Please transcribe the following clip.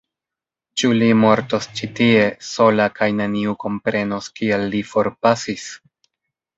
Ĉu li mortos ĉi tie, sola kaj neniu komprenos kiel li forpasis?